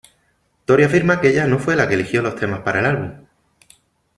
Tori afirma que ella no fue la que eligió los temas para el álbum.